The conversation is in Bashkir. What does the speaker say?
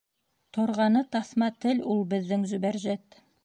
— Торғаны таҫма тел ул беҙҙең Зөбәржәт.